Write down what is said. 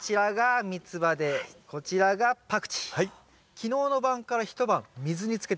昨日の晩からえ！